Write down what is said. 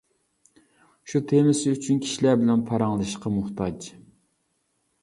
شۇ تېمىسى ئۈچۈن كىشىلەر بىلەن پاراڭلىشىشقا موھتاج.